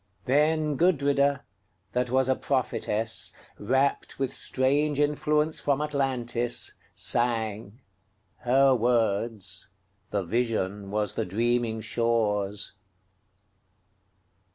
Then Gudrida, that was a prophetess, Rapt with strange influence from Atlantis, sang:Her words: the vision was the dreaming shore's.